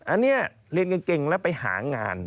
อันนี้เรียนเก่งแล้วไปหางาน